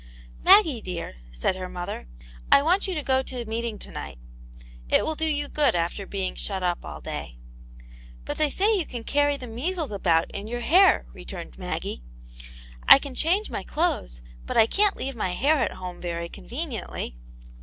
" Maggie dear," said her mother, " I want you to go to meeting to night ; it will do you good after being shut up all day.'* " But they say you can carry the measles about in your hair," returned Maggie. " I can change my clothes, but I can't leave my hair at home very conveniently."